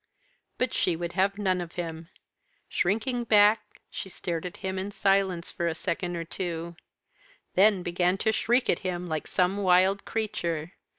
But she would have none of him. Shrinking back, she stared at him, in silence, for a second or two; then began to shriek at him like some wild creature.